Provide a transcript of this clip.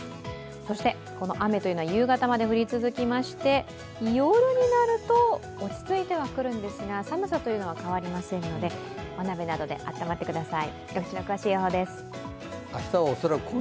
そしてこの雨は夕方まで降り続けまして夜になると落ち着いてはくるんですが寒さというのは変わりませんので、お鍋などで暖まってください。